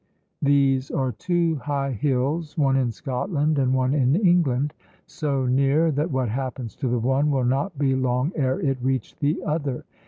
These are two high hills, one in Scotland and one in England; so near, that what happens to the one will not be long ere it reach the other.